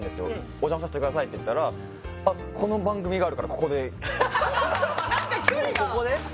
お邪魔させてくださいって言ったらあっこの番組があるからここで何か距離がここで？